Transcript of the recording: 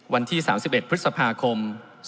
วันที่๓๑พฤษภาคม๒๕๖